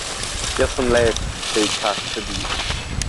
Jeu sun leds ch’ei catscha dis.